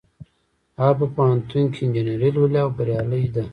هغه په پوهنتون کې انجینري لولي او بریالۍ ده